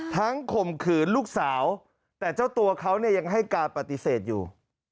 ข่มขืนลูกสาวแต่เจ้าตัวเขาเนี่ยยังให้การปฏิเสธอยู่